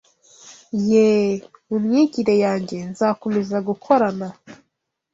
Yeee! Mu myigire yange nzakomeza gukorana